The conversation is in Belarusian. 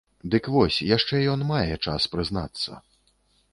Дык вось, яшчэ ён мае час прызнацца.